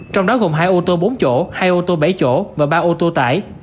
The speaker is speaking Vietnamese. trong đó gồm hai ô tô bốn chỗ hai ô tô bảy chỗ và ba ô tô tải